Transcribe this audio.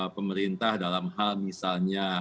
pemerintah dalam hal misalnya